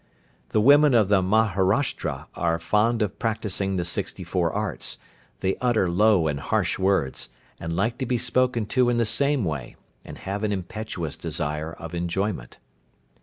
The women of the Maharashtra are fond of practising the sixty four arts, they utter low and harsh words, and like to be spoken to in the same way, and have an impetuous desire of enjoyment.